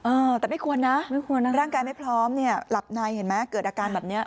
เออแต่ไม่กลัวนะร่างกายไม่พร้อมเนี่ยหลับในเห็นมั้ยเกิดอาการแบบเนี้ย